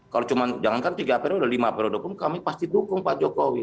kalau cuma jangankan tiga periode lima periode pun kami pasti dukung pak jokowi